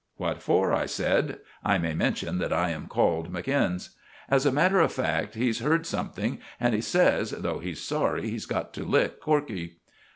"What for?" I said. I may mention that I am called McInnes. "As a matter of fact, he's heard something, and he says, though he's sorry, he's got to lick Corkey."